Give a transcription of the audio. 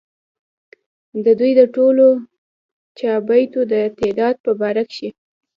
ددوي د ټولو چابېتو د تعداد پۀ باره کښې